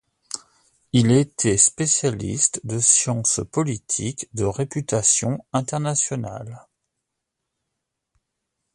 Il était spécialiste de sciences politiques de réputation internationale.